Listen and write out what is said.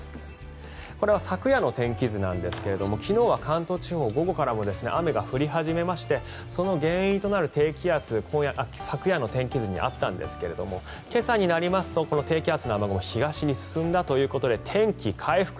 これは昨夜の天気図なんですが昨日は関東地方午後からも雨が降り始めましてその原因となる低気圧昨夜の天気図にあったんですけれども今朝になりますとこの低気圧の雨雲が東に進んだということで天気、回復。